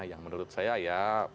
yang menurut saya ya